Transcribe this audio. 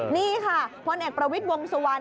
นี่ค่ะพลเอกประวิทย์วงสุวรรณ